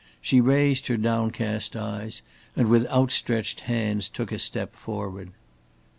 She raised her downcast eyes and with outstretched hands took a step forward.